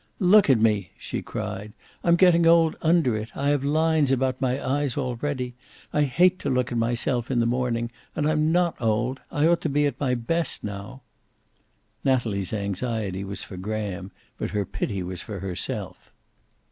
"Look at me!" she cried. "I'm getting old under it. I have lines about my eyes already. I hate to look at myself in the morning. And I'm not old. I ought to be at my best now." Natalie's anxiety was for Graham, but her pity was for herself.